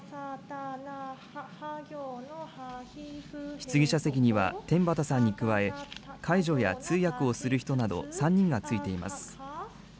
質疑者席には、天畠さんに加え、介助や通訳をする人など３人がついています。